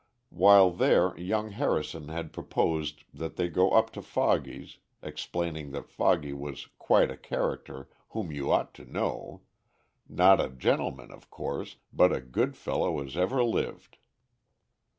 While there young Harrison had proposed that they go up to Foggy's, explaining that Foggy was "quite a character, whom you ought to know; not a gentleman, of course, but a good fellow as ever lived."